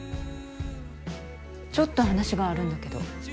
ちょっと話があるんだけど。